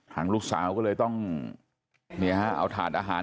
ทางลูกสาวก็เลยต้องเนี่ยฮะเอาถาดอาหาร